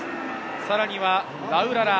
さらにはラウララ。